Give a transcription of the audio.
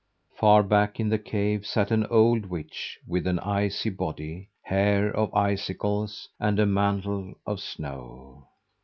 Far back in the cave sat an old witch with an ice body, hair of icicles, and a mantle of snow!